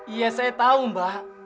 iya saya tahu mbak